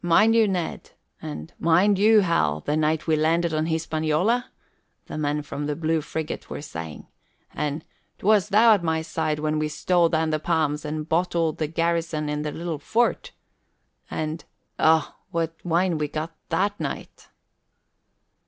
"Mind you, Ned," or "Mind you, Hal, the night we landed on Hispaniola?" the men from the Blue Friggat were saying. And "'Twas thou at my side when we stole down through the palms and bottled the garrison in the little fort." And "Ah, what wine we got that night!"